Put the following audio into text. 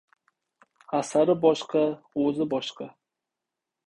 — Asari boshqa, o‘zi boshqa.